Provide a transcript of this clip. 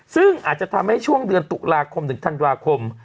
ซึ่งอาจจะทำให้ช่วงเดือนตุลาคมถึงธันวาคม